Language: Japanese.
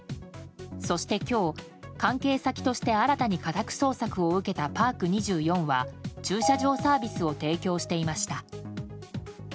そして今日、関係先として新たに家宅捜索を受けたパーク２４は、駐車場サービスを提供していました。